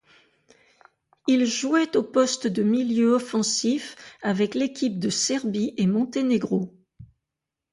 Il jouait au poste de milieu offensif avec l'équipe de Serbie-et-Monténégro.